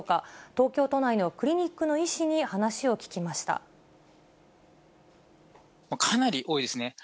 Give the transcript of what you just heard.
東京都内のクリニックの医師に話かなり多いですね。